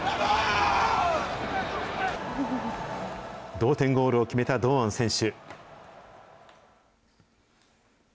同点ゴールを決めた堂安選手。